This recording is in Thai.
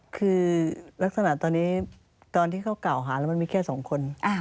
คือลักษณะตอนนี้ตอนที่เขากล่าวหาแล้วมันมีแค่สองคน